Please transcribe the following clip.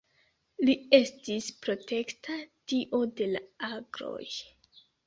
Li estis protekta dio de la agroj.